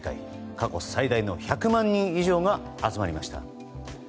過去最大の１００万人以上が集まりました。